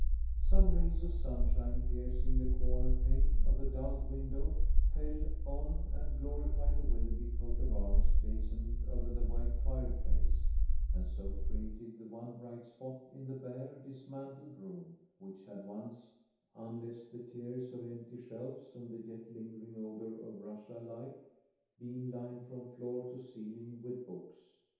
Some rays of sunshine piercing the corner pane of a dulled window fell on and glorified the Wetherby coat of arms blazoned over the wide fireplace, and so created the one bright spot in the bare, dismantled room, which had once, unless the tiers of empty shelves and the yet lingering odor of Russia lied, been lined from floor to ceiling with books.